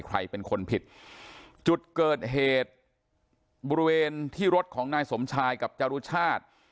ใครเป็นคนผิดจุดเกิดเหตุบริเวณที่รถของนายสมชายกับจรุชาติ